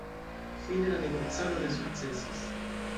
Fine la negocado ne sukcesis.